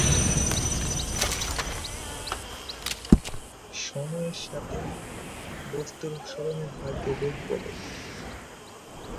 সরকার এই চুক্তি কার্যকর করেছে তা নিশ্চিত করতে পরিষদ ধর্মঘটে গিয়েছিল।